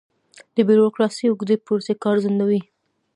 د بیروکراسۍ اوږدې پروسې کار ځنډوي.